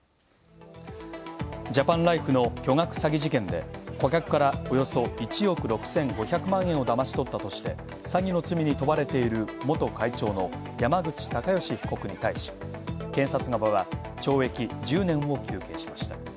ジャパンライフの巨額詐欺事件で、顧客からおよそ１億６５００万円をだまし取ったとして詐欺の罪に問われている元会長の山口隆祥被告に対し、検察側は懲役１０年を求刑しました。